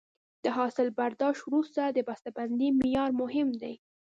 د حاصل برداشت وروسته د بسته بندۍ معیار مهم دی.